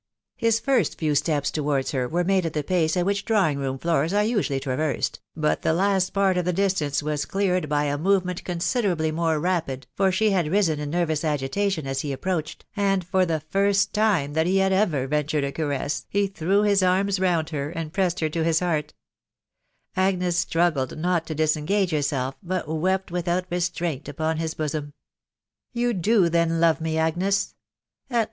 His first few steps towards her were made at the pace at which drawing room floors are usually traversed, but the last part of the distance was cleared by a movement consider* ably more rapid ; for she had risen in nervous agitation as he approached, and for the first time that he had ever ventured a caress he threw his arms around her, and pressed her to his heart Agnes struggled not to disengage herself, but wept without restraint upon his bosom. ce You do then love me, Agra*'* ...